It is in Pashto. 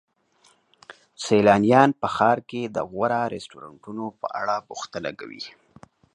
سیلانیان په ښار کې د غوره رستورانتونو په اړه پوښتنه کوي.